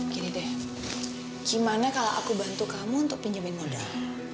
gini deh gimana kalau aku bantu kamu untuk pinjamin modal